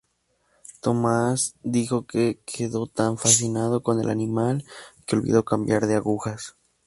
Thomas dijo que quedó tan fascinado con el animal que olvidó cambiar de agujas.